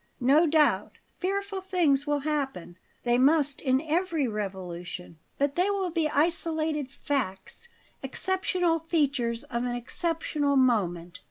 No doubt fearful things will happen; they must in every revolution. But they will be isolated facts exceptional features of an exceptional moment.